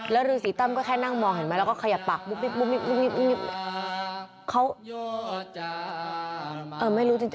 แล้วฤษีตั้มก็แค่นั่งมองเห็นไหมแล้วก็ขยับปากปุ๊บ